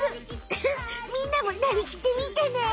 ウフッみんなもなりきってみてね！